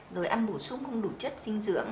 rồi ăn bổ sung không đủ chất dinh dưỡng